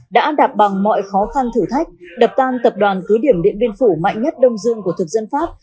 đã đạp bằng mọi khó khăn thử thách đập tan tập đoàn cứ điểm điện biên phủ mạnh nhất đông dương của thực dân pháp